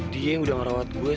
dia yang udah merawat gue